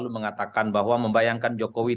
mengatakan bahwa membayangkan jokowi